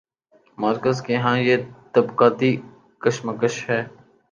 Marks کے ہاں یہ طبقاتی کشمکش ہے۔